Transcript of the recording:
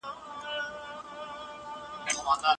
هيڅکله بايد تېر تاريخ ته دښمن ونه ويل سي.